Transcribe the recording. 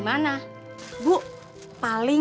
masa kita suger di sini